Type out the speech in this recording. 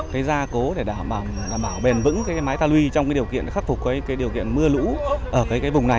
cái gia cố để đảm bảo bền vững cái máy ta luy trong cái điều kiện khắc phục cái điều kiện mưa lũ ở cái vùng này